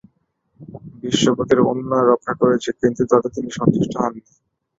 বিশ্বপতির অনুনয় রক্ষা করেছি কিন্তু তাতে তিনি সন্তুষ্ট হন নি।